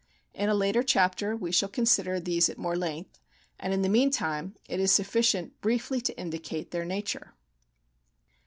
In a later chapter we shall consider these more at length, and in tlie meantime it is sufficient briefly to indicate their nature.